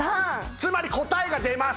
つまり答えが出ます